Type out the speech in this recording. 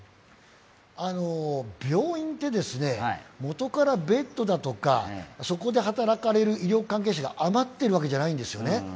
病院ってもとから、ベッドだとかそこで働かれる医療関係者が余っているわけじゃないんですね。